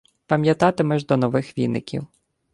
Пам’ятатимеш до нових віників.